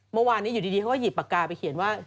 เมื่อวานนี้อยู่ดีเขาก็หยิบปากกาไปเขียนว่า